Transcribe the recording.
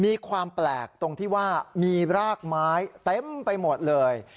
มีความแปลกตรงที่ว่ามีรากไม้เต็มไปหมดเลย